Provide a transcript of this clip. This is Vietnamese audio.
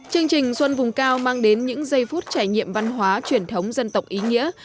chương trình xuân vùng cao mang đến những giây phút trải nghiệm văn hóa truyền thống dân tộc ý nghĩa